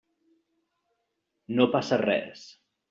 No passa res.